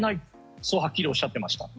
そうはっきりおっしゃっていました。